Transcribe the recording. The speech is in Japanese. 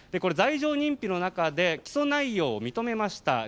罪状認否の中で起訴内容を認めました。